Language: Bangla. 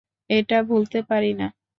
এটা ভুলতে পারি না।